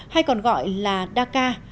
hay còn gọi là daca